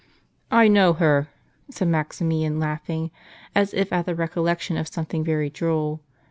" I know her," said Maxim ian, laughing, as if at the recol lection of something very droll.